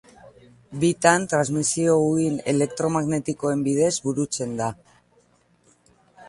Bietan transmisio uhin elektromagnetikoen bidez burutzen da.